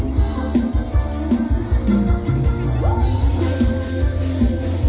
เวลาที่สุดท้าย